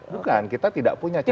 bukan kita tidak punya cetak biru